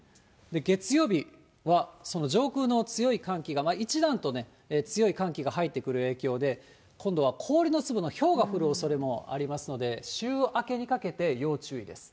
月曜日はその上空の強い寒気が一段とね、強い寒気が入ってくる影響で、今度は氷の粒のひょうが降るおそれもありますので、週明けにかけて要注意です。